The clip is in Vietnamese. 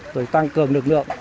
để tăng cường lực lượng